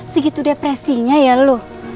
segitu depresinya ya lu